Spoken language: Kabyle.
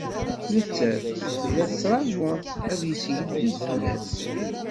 Nettat, tella tettraǧu ad yeskiddeb fell-as.